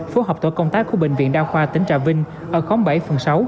phố hợp tòa công tác của bệnh viện đao khoa tp trà vinh ở khóm bảy phường sáu